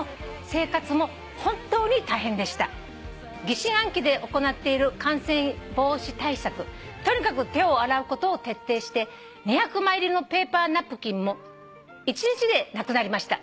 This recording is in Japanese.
「疑心暗鬼で行っている感染防止対策」「とにかく手を洗うことを徹底して２００枚入りのペーパーナプキンも１日でなくなりました」